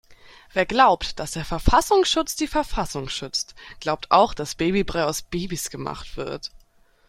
Wer glaubt, dass der Verfassungsschutz die Verfassung schützt, glaubt auch dass Babybrei aus Babys gemacht wird.